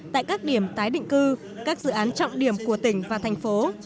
tại các điểm tái định cư các dự án trọng điểm của tỉnh và thành phố